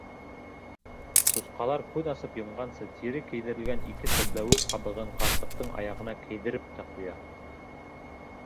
Сусҡалар күҙ асып йомғансы тире кейҙерелгән ике сәтләүек ҡабығын ҡарсыҡтың аяғына кейҙереп тә ҡуя.